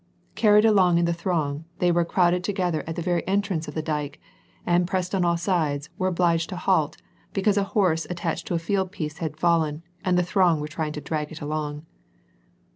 Carried along in the throng, they were crowded together at the very entrance of the dyke, and, pressed on all sides, were obliged to halt, because a horse attached to a field piece had fallen, and the throng were trying to drag it along.